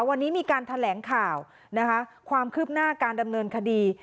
วันนี้มีการแถลงข่าวนะคะความคืบหน้าการดำเนินคดี